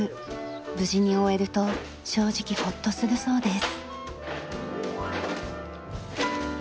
無事に終えると正直ほっとするそうです。